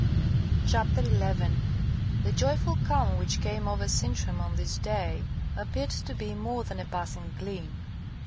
CHAPTER 11 The joyful calm which came over Sintram on this day appeared to be more than a passing gleam.